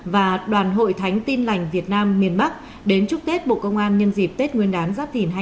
và đoàn hội thánh tin lành việt nam miền bắc đến chúc tết bộ công an nhân dịp tết nguyên đán giáp thìn hai nghìn hai mươi bốn